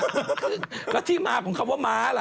แล้วที่หม้าของเขาว่าหม้าเรอะ